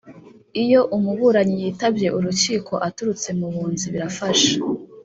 Iyo umuburanyi yitabye urukiko aturutse mu bunzi birafasha